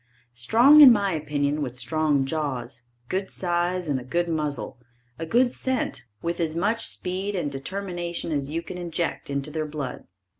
Strong in my opinion with strong jaws, good size and a good muzzle, a good scent with as much speed and determination as you can inject into their blood.